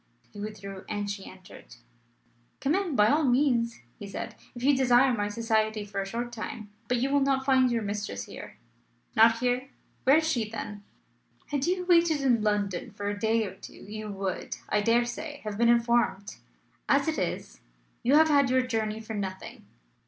He withdrew, and she entered. "Come in, by all means," he said, "if you desire my society for a short time. But you will not find your mistress here." "Not here! Where is she, then?" "Had you waited in London for a day or two you would, I dare say, have been informed. As it is, you have had your journey for nothing."